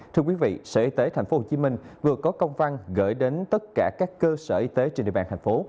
thưa quý vị sở y tế tp hcm vừa có công văn gửi đến tất cả các cơ sở y tế trên địa bàn thành phố